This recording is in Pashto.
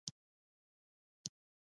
څنګه کولی شم فطرې ورکړم